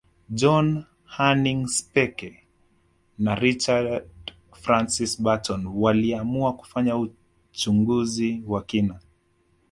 John Hanning Speke na Richard Francis Burton waliamua kufanya uchunguzi wa kina